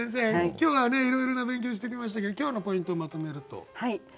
今日はいろいろな勉強してきましたけど今日のポイントをまとめると？